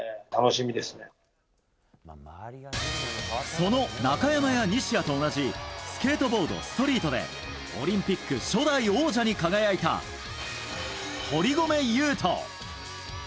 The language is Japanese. その中山や西矢と同じスケートボードストリートでオリンピック初代王者に輝いた堀米雄斗。